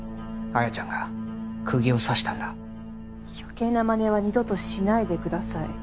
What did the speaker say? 亜矢ちゃんがくぎを刺したんだ余計なマネは二度としないでください